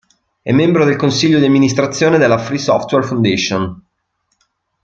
È membro del consiglio di amministrazione della Free Software Foundation.